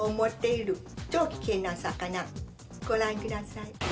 ご覧ください。